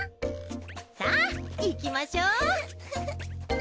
さぁ行きましょう。